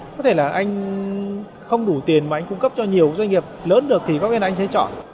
có thể là anh không đủ tiền mà anh cung cấp cho nhiều doanh nghiệp lớn được thì có khi là anh sẽ chọn